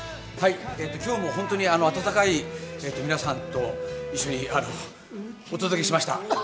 今日も温かい皆さんと一緒にお届けしました。